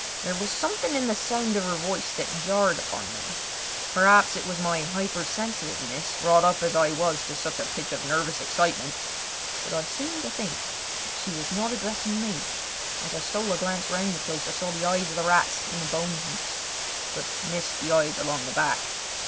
There was something in the sound of her voice that jarred upon me. Perhaps it was my hyper sensitiveness, wrought up as I was to such a pitch of nervous excitement, but I seemed to think that she was not addressing me. As I stole a glance round the place I saw the eyes of the rats in the bone heaps, but missed the eyes along the back.